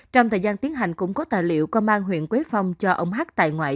trong thời gian tiến hành cũng có tài liệu có mang huyện quế phong cho ông h tại ngoại